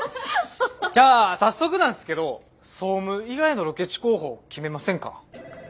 じゃあ早速なんすけど総務以外のロケ地候補を決めませんか。